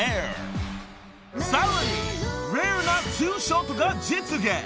［さらにレアなツーショットが実現］